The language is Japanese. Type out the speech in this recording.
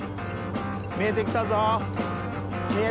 見えてきたぞ。